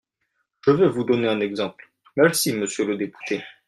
Je vais vous donner un exemple… Merci, monsieur le député.